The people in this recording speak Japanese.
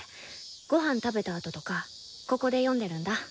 ごはん食べたあととかここで読んでるんだ。